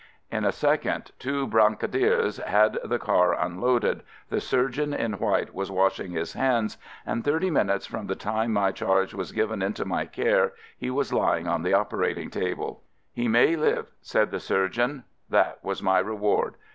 In a second two brancardiers had the car un loaded — the surgeon in white was wash ing his hands — and thirty minutes from the time my charge was given into my care, he was lying on the operating table. "He may live" said the surgeon. That was my reward